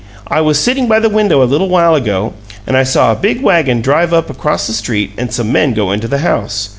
I was sitting by the window a little while ago, and I saw a big wagon drive up across the street and some men go into the house.